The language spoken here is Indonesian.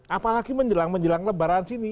apalagi menjelang menjelang lebaran sini